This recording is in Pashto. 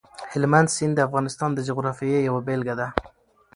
هلمند سیند د افغانستان د جغرافیې یوه بېلګه ده.